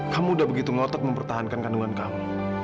kamu udah begitu ngotot mempertahankan kandungan kamu